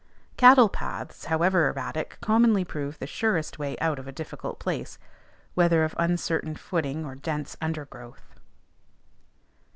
Cattle paths, however erratic, commonly prove the surest way out of a difficult place, whether of uncertain footing or dense undergrowth.